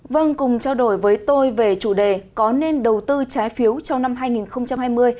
vâng cùng trao đổi với tôi về chủ đề có nên đầu tư trái phiếu trong năm hai nghìn hai mươi